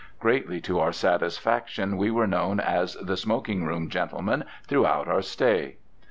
Greatly to our satisfaction we were known as "the smoking room gentlemen" throughout our stay.